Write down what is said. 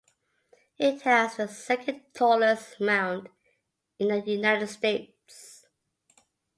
It has the second-tallest mound in the United States.